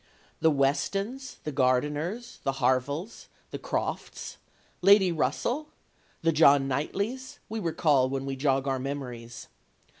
The Westons, the Gardiners, the Harvilles, the Crofts, Lady Russell, the John Knightleys, we recall when we jog our memories.